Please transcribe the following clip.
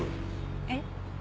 えっ？